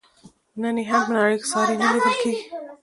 نن یې هم په نړۍ کې ساری نه لیدل کیږي.